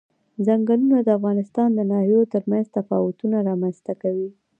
ځنګلونه د افغانستان د ناحیو ترمنځ تفاوتونه رامنځ ته کوي.